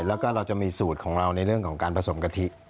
แล้วก็เราจะมีสูตรของเราในเรื่องของการผสมกะทิ